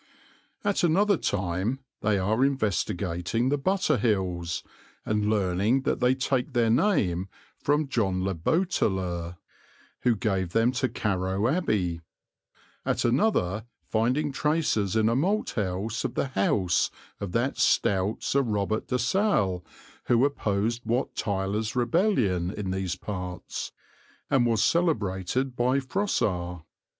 At another time they are investigating the Butter Hills, and learning that they take their name from John le Boteler, who gave them to Carrow Abbey; at another finding traces in a malt house of the house of that stout Sir Robert de Salle who opposed Wat Tyler's rebellion in these parts, and was celebrated by Froissart.